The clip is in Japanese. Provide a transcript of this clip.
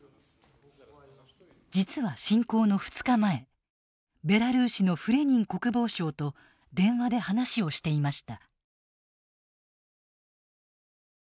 実は侵攻の２日前ベラルーシのフレニン国防相と電話で話をしていました。